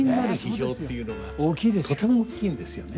とても大きいんですよね。